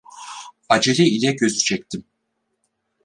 Acele ile gözü çektim.